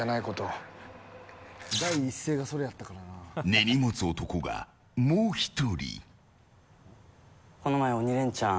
根に持つ男が、もう１人。